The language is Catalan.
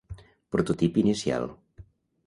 Prototip inicial.